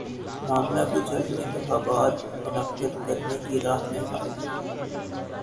معاملہ بھی جلد انتخابات منعقد کرانے کی راہ میں حائل ہے